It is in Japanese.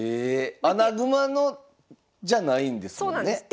穴熊のじゃないんですもんね？